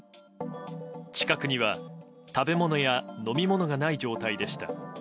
近くには食べ物や飲み物がない状態でした。